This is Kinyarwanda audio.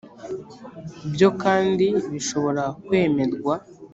byo kandi bishobora kwemerwa